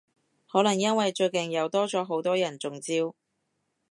可能因為最近又多咗好多人中招？